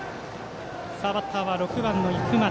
バッターは６番の生松。